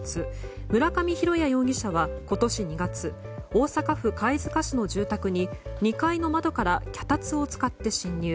村上拡也容疑者は今年２月大阪府貝塚市の住宅に２階の窓から脚立を使って侵入。